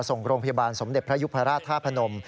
ส่งโรงพยาบาลสมเด็จพระยุพราชธาพนม